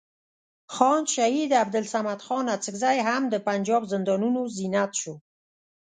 خان شهید عبدالصمد خان اڅکزی هم د پنجاب زندانونو زینت شو.